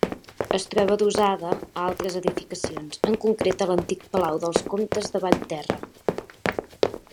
Es troba adossada a altres edificacions, en concret a l'antic palau dels Comtes de Vallterra.